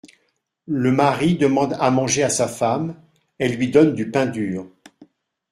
Le mari demande à manger à sa femme ; elle lui donne du pain dur.